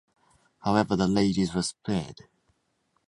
However, the ladies were spared.